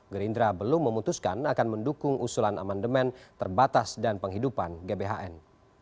gerindra belum memutuskan akan mendukung usulan amandemen terbatas dan penghidupan gbhn